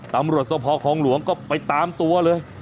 ตำรวจสภคองหลวงก็ไปตามตัวเลย